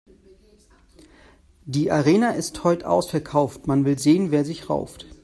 Die Arena ist heut' ausverkauft, man will sehen, wer sich rauft.